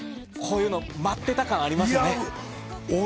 こういうの待ってた感ありますね。